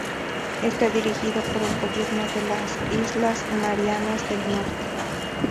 Está dirigido por el gobierno de las Islas Marianas del Norte.